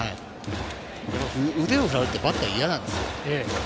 腕を振られるとバッターは嫌なんですよ。